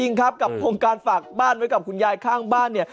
และพวกเราของพวกเราแล้วกับโครงการฝากบ้านไว้กับคุณยายข้างบ้านเนี่ย